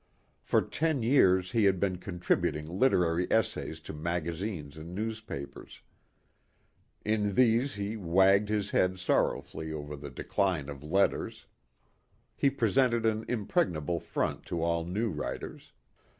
For ten years he had been contributing literary essays to magazines and newspapers. In these he wagged his head sorrowfully over the decline of letters. He presented an impregnable front to all new writers.